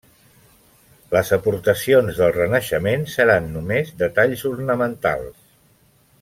Les aportacions del renaixement seran només detalls ornamentals.